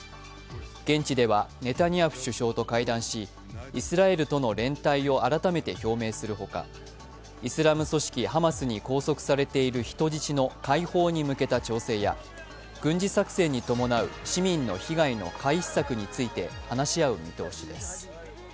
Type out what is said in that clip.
現地ではネタニヤフ首相と会談しイスラエルとの連帯を改めて表明するほか、イスラム組織ハマスに拘束されている人質の解放に向けた調整や軍事作戦に伴う市民の被害の回避策について話し合う見通しです。